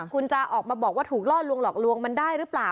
คุณจะออกมาบอกว่าถูกล่อลวงหลอกลวงมันได้หรือเปล่า